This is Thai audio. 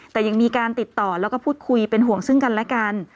แต่ยังมีการติดต่อแล้วก็พูดคุยเป็นห่วงซึ่งกันและกัน